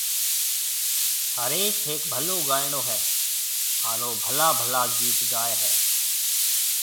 هريش هيَڪ ڀلو گائيڻو هيَ هانَ او ڀلا ڀلا گِيت گائي هيَ۔